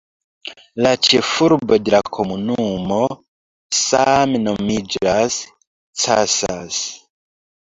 La ĉefurbo de la komunumo same nomiĝas "Casas".